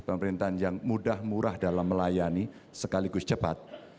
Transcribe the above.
pemerintahan yang mudah murah dalam melayani sekaligus cepat